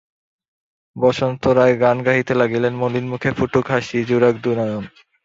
বসন্ত রায় গান গাহিতে লাগিলেন, মলিন মুখে ফুটুক হাসি, জুড়াক দু-নয়ন।